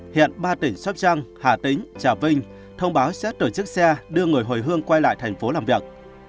hiện ba tỉnh sóc trăng hà tĩnh trà vinh thông báo xét tổ chức xe đưa người hồi hương quay lại thành phố làm việc